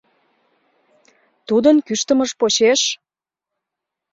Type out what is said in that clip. Тудын кӱштымыж почеш...